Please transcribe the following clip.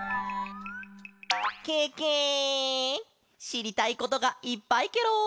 しりたいことがいっぱいケロ！